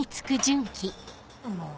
もう。